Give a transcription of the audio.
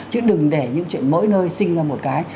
chứ đừng để những chuyện mỗi nơi sinh ra một cái